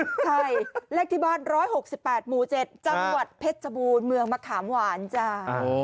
ใช่เลขที่บ้าน๑๖๘หมู่๗จังหวัดเพชรชบูรณ์เมืองมะขามหวานจ้า